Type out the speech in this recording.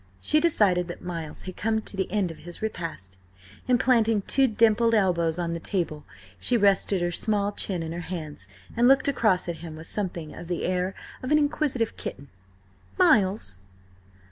She decided that Miles had come to the end of his repast, and, planting two dimpled elbows on the table, she rested her small chin in her hands and looked across at him with something of the air of an inquisitive kitten. "Miles!"